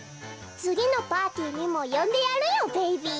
つぎのパーティーにもよんでやるよベイビー。